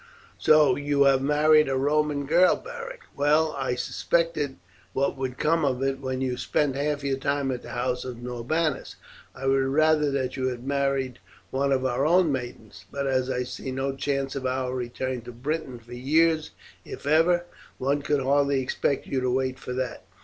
"So you have married a Roman girl, Beric! Well, I suspected what would come of it when you spent half your time at the house of Norbanus. I would rather that you had married one of our own maidens; but as I see no chance of our return to Britain for years, if ever, one could hardly expect you to wait for that.